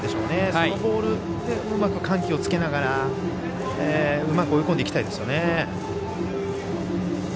そのボールでうまく緩急をつけながらうまく追い込んでいきたいですね。